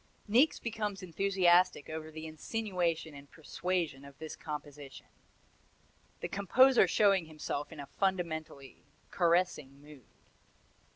Niecks becomes enthusiastic over the insinuation and persuasion of this composition: "the composer showing himself in a fundamentally caressing mood."